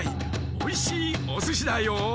おいしいおすしだよ。